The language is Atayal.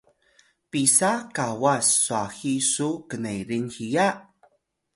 pisa kawas swahi su knerin hiya?